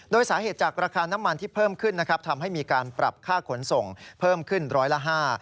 โดยสาเหตุจากราคาน้ำมันที่เพิ่มขึ้นทำให้มีการปรับค่าขนส่งพึ่งขึ้น๑๐๐ล่ะ๕